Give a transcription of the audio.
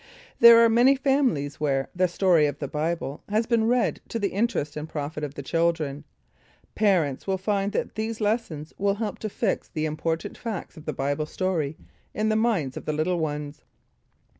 There are many families where "The Story of the Bible" has been read to the interest and profit of the children. Parents will find that these lessons will help to fix the important facts of the Bible story in the minds of the little ones.